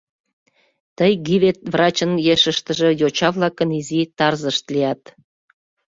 Тый Гивет врачын ешыштыже йоча-влакын изи тарзышт лият.